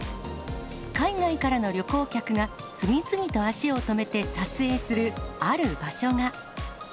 海外からの旅行客が次々と足を止めて撮影するある場所が。